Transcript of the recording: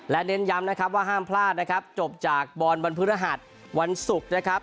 และเน้นย้ำนะครับว่าห้ามพลาดนะครับจบจากบอลวันพฤหัสวันศุกร์นะครับ